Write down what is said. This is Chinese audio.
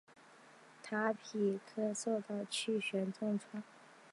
坦皮科受到气旋重创。